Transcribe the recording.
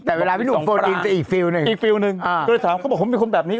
แต่เวลาพี่หนุ่มโฟนอินจะอีกฟิลเนี่ยอีกฟิลหนึ่งอ่าก็เลยถามเขาบอกผมเป็นคนแบบนี้